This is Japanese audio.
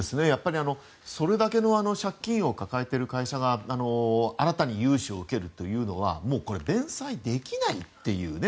それだけの借金を抱えている会社が新たに融資を受けるというのは弁済できないというね